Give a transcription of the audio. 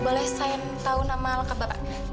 boleh sign tahu nama lekat bapak